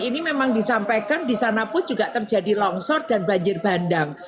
ini memang disampaikan di sana pun juga terjadi longsor dan banjir bandang